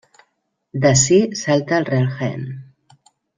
D'ací salta al Real Jaén.